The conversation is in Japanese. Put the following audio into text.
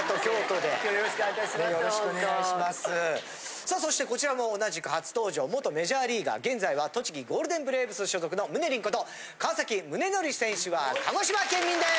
さあそしてこちらも同じく初登場元メジャーリーガー現在は栃木ゴールデンブレーブス所属のムネリンこと川宗則選手は鹿児島県民です！